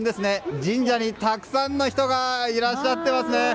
神社にたくさんの人がいらっしゃっていますね。